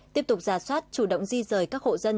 tiếp tục giả soát chủ động di rời các hộ dân